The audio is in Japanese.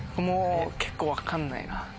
結構分かんないな。